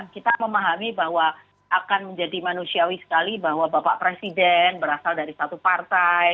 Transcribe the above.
kita memahami bahwa akan menjadi manusiawi sekali bahwa bapak presiden berasal dari satu partai